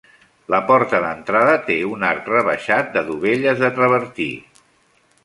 La porta d'entrada té un arc rebaixat de dovelles de travertí.